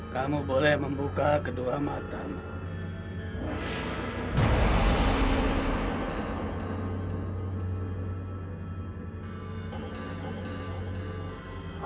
kamu boleh membuka kedua matamu